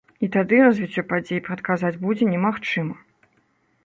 І тады развіццё падзей прадказаць будзе немагчыма.